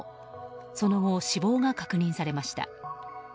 その後、死亡が確認されました。